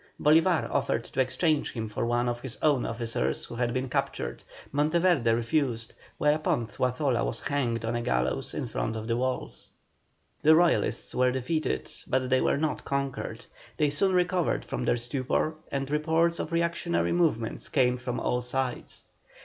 Bolívar offered to exchange him for one of his own officers who had been captured. Monteverde refused, whereupon Zuazola was hanged on a gallows in front of the walls. The Royalists were defeated, but they were not conquered; they soon recovered from their stupor, and reports of reactionary movements came from all sides.